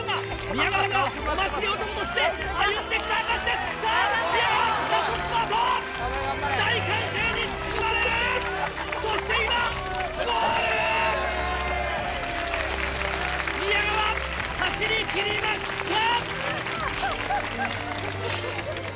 宮川、走り切りました。